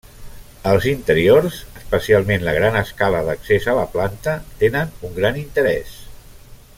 Els interiors, especialment la gran escala d'accés a la planta, tenen un gran interès.